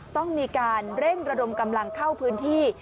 ต้องมีการเร่งระดมกำลังเข้าพื้นที่